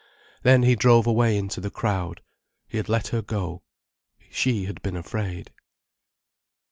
Then he drove away into the crowd. He had let her go. She had been afraid.